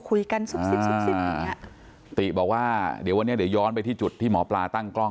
คุยกันสุดซึกติบอกว่าเดี๋ยววันนี้เดี๋ยวย้อนไปที่จุดที่หมอปลาตั้งกล้อง